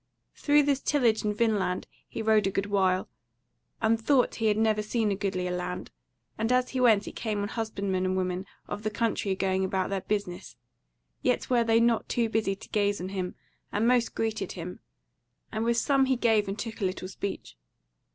Through this tillage and vine land he rode a good while, and thought he had never seen a goodlier land; and as he went he came on husbandmen and women of the country going about their business: yet were they not too busy to gaze on him, and most greeted him; and with some he gave and took a little speech.